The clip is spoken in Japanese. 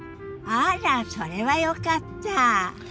あらそれはよかった。